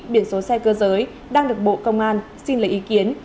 biển số xe cơ giới đang được bộ công an xin lấy ý kiến